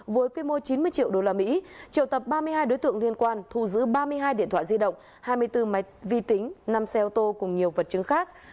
với quy mô chín mươi triệu usd triệu tập ba mươi hai đối tượng liên quan thu giữ ba mươi hai điện thoại di động hai mươi bốn máy vi tính năm xe ô tô cùng nhiều vật chứng khác